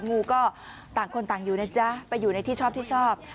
งูก็ต่างคนต่างอยู่นะจ๊ะไปอยู่ในที่ชอบที่ชอบ